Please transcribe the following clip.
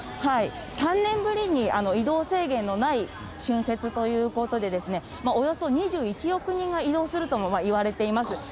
３年ぶりに移動制限のない春節ということで、およそ２１億人が移動するとも言われています。